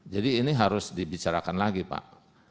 jadi ini harus dibicarakan lagi pak